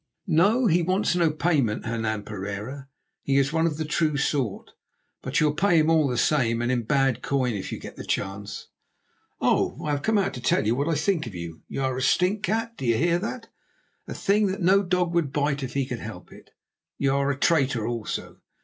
"No, he wants no payment, Hernan Pereira, he is one of the true sort, but you'll pay him all the same and in bad coin if you get the chance. Oh! I have come out to tell you what I think of you. You are a stinkcat; do you hear that? A thing that no dog would bite if he could help it! You are a traitor also.